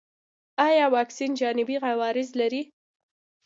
ایا واکسین جانبي عوارض لري؟